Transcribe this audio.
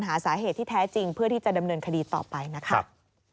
หาสาเหตุที่แท้จริงเพื่อที่จะดำเนินคดีต่อไปนะครับ